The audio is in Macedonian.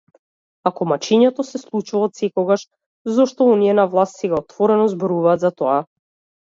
Ако мачењето се случува отсекогаш, зошто оние на власт сега отворено зборуваат за тоа?